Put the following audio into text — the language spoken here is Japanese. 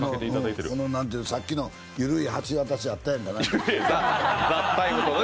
さっきの緩い橋渡しあったやん。